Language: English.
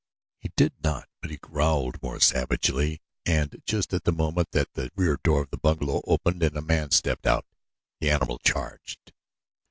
He did not; but he growled more savagely and, just at the moment that the rear door of the bungalow opened and a man stepped out, the animal charged.